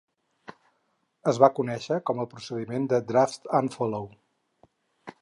Es va conèixer com el procediment de "draft-and-follow".